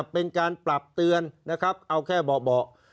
เป็นการปรับเตือนนะครับเอาแค่เบาะ